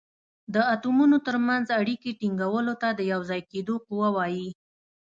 د اتومونو تر منځ اړیکې ټینګولو ته د یو ځای کیدو قوه وايي.